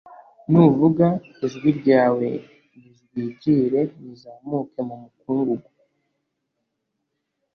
nuvuga, ijwi ryawe rijwigire rizamuke mu mukungugu,